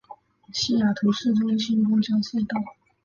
西雅图市中心公交隧道。